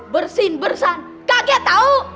bersin bersan kaget tau